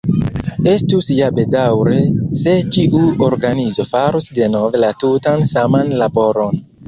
Estus ja bedaŭre, se ĉiu organizo farus denove la tutan saman laboron.